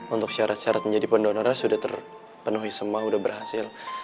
untuk syarat syarat menjadi pendonornya sudah terpenuhi semua sudah berhasil